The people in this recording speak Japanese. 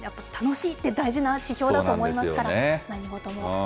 やっぱり楽しいって大事な指標だと思いますから、何事も。